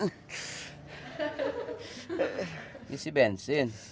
ini si bensin